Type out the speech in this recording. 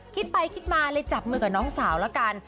คิดไปคิดมาเลยจับมือกับน้องสาวแล้วกัน